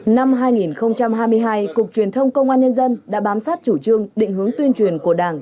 năm hai nghìn hai mươi hai cục truyền thông công an nhân dân đã bám sát chủ trương định hướng tuyên truyền của đảng